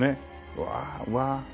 うわうわ